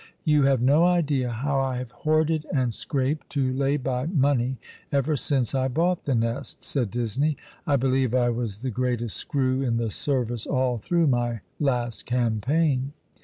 "TouhaYe no idea how I have hoarded and scraped to lay by money ever since I bought the Nest," said Disney. " I believe I was the greatest screw in the service all through my last campaign."